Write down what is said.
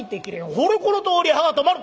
ほれこのとおり刃が止まる！